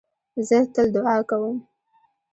زه تل دؤعا کوم.